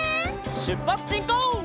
しゅっぱつしんこう！